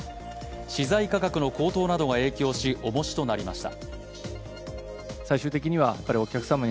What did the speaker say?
資材価格の高騰などが影響しおもしとなりました。